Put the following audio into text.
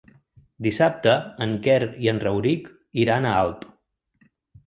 Dissabte en Quer i en Rauric iran a Alp.